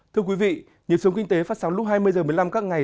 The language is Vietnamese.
thưa quý vị nhật sống kinh tế phát sóng lúc hai mươi h một mươi năm các ngày